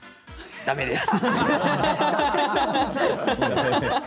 だめです。